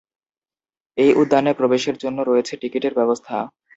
এই উদ্যানে প্রবেশের জন্য রয়েছে টিকিটের ব্যবস্থা।